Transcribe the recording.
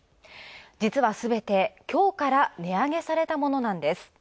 実は、すべてきょうから値上げされたものなんです。